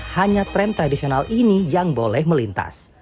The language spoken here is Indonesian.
hanya tram tradisional ini yang boleh melintas